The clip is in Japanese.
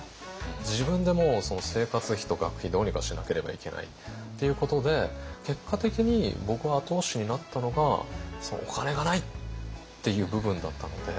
自分でもう生活費と学費どうにかしなければいけないっていうことで結果的に僕の後押しになったのがお金がないっていう部分だったので。